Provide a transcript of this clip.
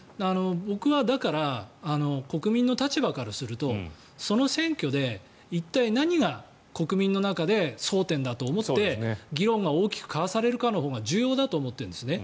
僕はだから、国民の立場からするとその選挙で一体何が国民の中で争点だと思って議論が大きく交わされるかのほうが重要だと思ってるんですね。